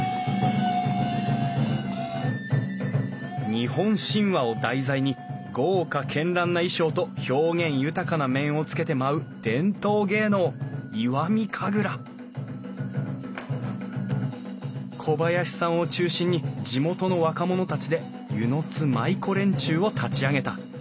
日本神話を題材に豪華絢爛な衣装と表現豊かな面をつけて舞う伝統芸能石見神楽小林さんを中心に地元の若者たちで温泉津舞子連中を立ち上げた。